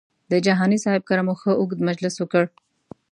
د جهاني صاحب کره مو ښه اوږد مجلس وکړ.